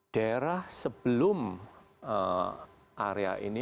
daerah sebelum area ini